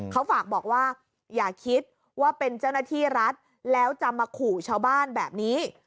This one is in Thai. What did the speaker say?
เขาฝากบอกว่าอย่าคิดว่าเป็นเจ้าหน้าที่รัฐแล้วจะมาขู่ชาวบ้านแบบนี้